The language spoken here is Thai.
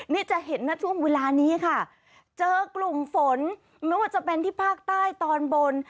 นี่จะเห็นนะช่วงเวลานี้ค่ะเจอกลุ่มฝนไม่ว่าจะเป็นที่ภาคใต้ตอนบน